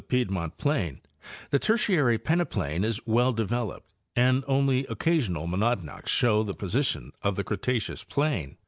piedmont plain, the Tertiary peneplain is well develoned and only occasional monadnocks show the position of the Cretaceous plain.